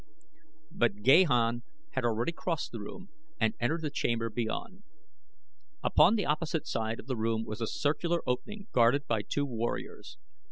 But Gahan had already crossed the room and entered the chamber beyond. Upon the opposite side of the room was a circular opening guarded by two warriors.